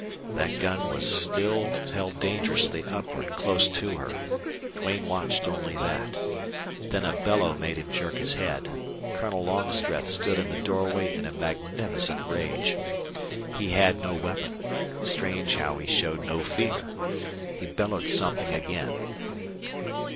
That gun was still held dangerously upward close to her. Duane watched only that. Then a bellow made him jerk his head. Colonel Longstreth stood in the doorway in a magnificent rage. He had no weapon. Strange how he showed no fear! He bellowed something again.